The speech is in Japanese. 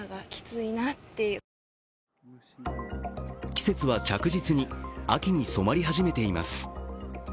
季節は着実に秋に染まり始めています。